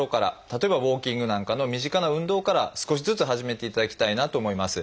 例えばウォーキングなんかの身近な運動から少しずつ始めていただきたいなと思います。